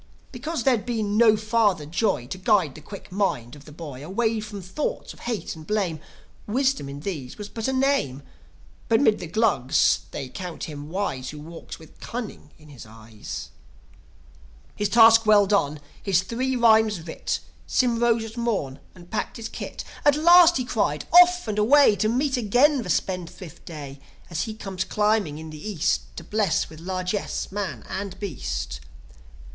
Because there'd been no father Joi To guide the quick mind of a boy Away from thoughts of hate and blame, Wisdom in these was but a name. But 'mid the Glugs they count him wise Who walks with cunning in his eyes. His task well done, his three rhymes writ, Sym rose at morn, and packed his kit. "At last!" he cried. "Off and away To meet again the spendthrift Day, As he comes climbing in the East, To bless with largesse man and beast.